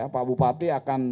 pak bupati akan